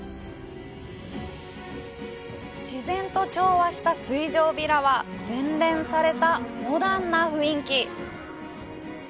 自然と調和した水上ヴィラは洗練されたモダンな雰囲気。